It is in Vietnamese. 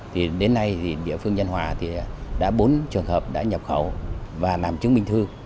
thì đến nay thì địa phương nhân hòa thì đã bốn trường hợp đã nhập khẩu và làm chứng minh thư